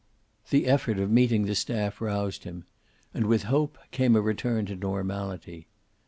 The effort of meeting the staff roused him, and, with hope came a return to normality.